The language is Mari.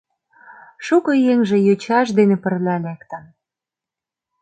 Шуко еҥже йочаж дене пырля лектын.